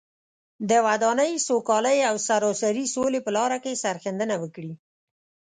د ودانۍ، سوکالۍ او سراسري سولې په لاره کې سرښندنه وکړي.